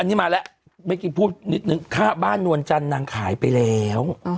อันนี้มาแล้วเมื่อกี้พูดนิดนึงค่าบ้านนวลจันทร์นางขายไปแล้ว